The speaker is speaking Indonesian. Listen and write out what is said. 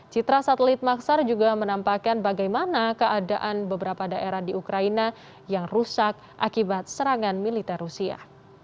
citra satelit maksar juga menampakkan bagaimana keadaan beberapa daerah di ukraina yang rusak akibat serangan militer rusia